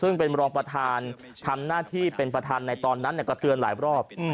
ซึ่งเป็นรองประธานทำหน้าที่เป็นประธานในตอนนั้นก็เตือนหลายรอบ